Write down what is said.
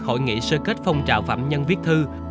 hội nghị sơ kết phong trào phạm nhân viết thư